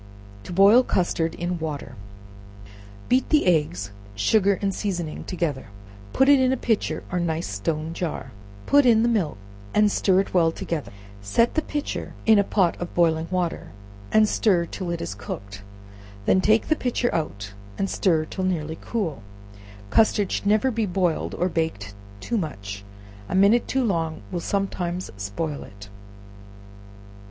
To Boil Custard in Water. Beat the eggs, sugar and seasoning together, and put it in a pitcher or nice stone jar; put in the milk and stir it well together; set the pitcher in a pot of boiling water, and stir till it is cooked, when take the pitcher out and stir till nearly cool. Custard should never be boiled or baked two much a minute too long will sometimes spoil it.